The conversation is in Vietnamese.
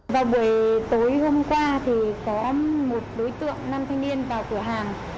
vào buổi tối hôm qua thì có một đối tượng nam thanh niên vào cửa hàng